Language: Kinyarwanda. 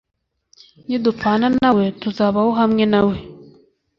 “nidupfana na we tuzabaho hamwe na we